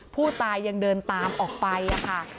ผู้ตายยังเดินตามออกไปค่ะ